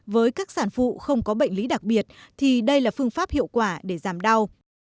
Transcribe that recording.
với các sản phụ không có bệnh lý đặc biệt thì đây là phương pháp hiệu quả để giảm đau